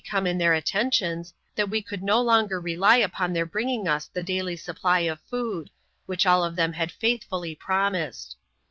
isr come in their attentions, that we could no longer rely upon their bringing us the daily supply of food, which all of them had faithfully promised.